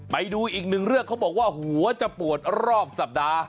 ไปดูอีกหนึ่งเรื่องเขาบอกว่าหัวจะปวดรอบสัปดาห์